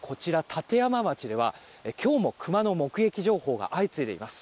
立山町では今日もクマの目撃情報が相次いでいます。